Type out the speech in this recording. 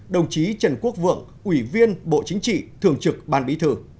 đồng chí trần quốc vượng ủy viên bộ chính trị thường trực ban bí thư